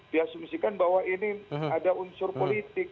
diasumsikan bahwa ini ada unsur politik